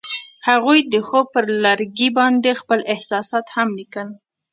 هغوی د خوب پر لرګي باندې خپل احساسات هم لیکل.